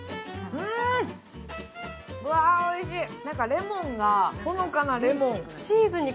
レモンがほのかなレモン。